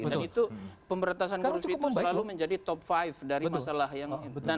dan itu pemberantasan korupsi itu selalu menjadi top five dari masalah yang